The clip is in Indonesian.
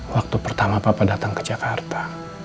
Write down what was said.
waktu pertama papa datang ke jakarta